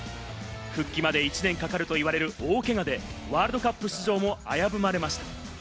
復帰まで１年かかるといわれる大けがで、ワールドカップ出場も危ぶまれました。